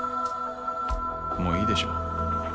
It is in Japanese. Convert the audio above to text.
もういいでしょう。